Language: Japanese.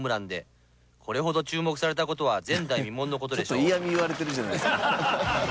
ちょっと嫌み言われてるじゃないですか。